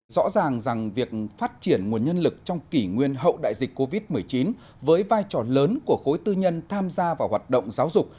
rõ ràng rằng việc phát triển nguồn nhân lực trong kỷ nguyên hậu đại dịch covid một mươi chín với vai trò lớn của khối tư nhân tham gia vào hoạt động giáo dục